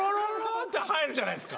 ってなるじゃないですか。